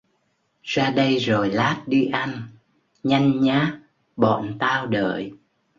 ra đây rồi lát đi ăn, nhanh nhá, bọn tao đợi